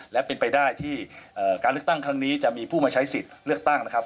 และเป็นไปได้ที่การเลือกตั้งครั้งนี้จะมีผู้มาใช้สิทธิ์เลือกตั้งนะครับ